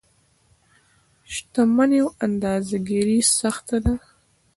شتمنيو اندازه ګیري سخته ده.